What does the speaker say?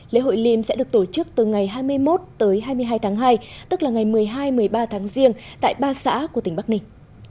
lễ hội liêm sẽ được tổ chức từ ngày hai mươi một tới hai mươi hai tháng hai tức là ngày một mươi hai một mươi ba tháng riêng tại ba xã của tỉnh bắc ninh